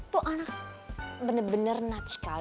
tuh anak bener bener natsikal